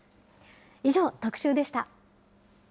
以上、特集でした。